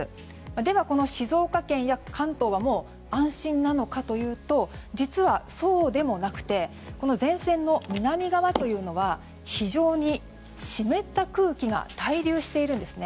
では、静岡県や関東はもう安心なのかというと実はそうでもなくて前線の南側というのは非常に湿った空気が滞留しているんですね。